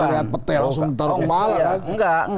lihat petai langsung taruh kepala